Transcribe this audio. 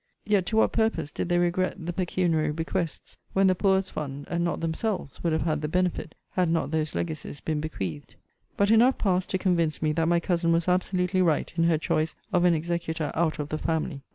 Yet to what purpose did they regret the pecuniary bequests, when the poor's fund, and not themselves, would have had the benefit, had not those legacies been bequeathed? But enough passed to convince me that my cousin was absolutely right in her choice of an executor out of the family.